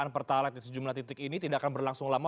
pertalat yang sejumlah titik ini tidak akan berlangsung lama